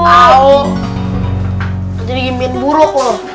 jadi gimana buruk loh